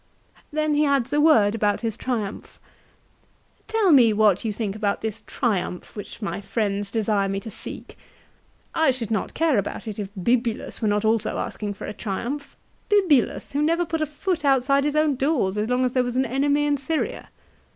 Then he adds a word about his Triumph. "Tell me what you think about this Triumph, which my friends desire me to seek. I should not care about it if Bibulus were not also asking for a Triumph ; Bibulus, who never put a foot outside his own doors as long as there was an enemy in Syria